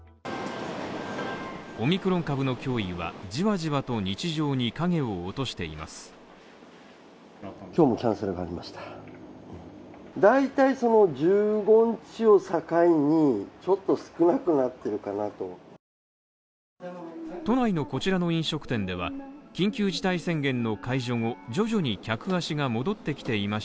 オミクロン株の脅威はじわじわと日常に影を落としています。